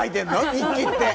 日記って。